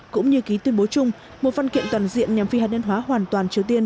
cũng như ký tuyên bố chung một văn kiện toàn diện nhằm phi hạt nhân hóa hoàn toàn triều tiên